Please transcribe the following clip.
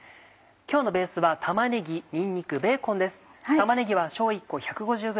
今日のベースは玉ねぎにんにくベーコンです。